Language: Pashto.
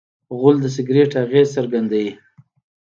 غول د سګرټ اغېز څرګندوي.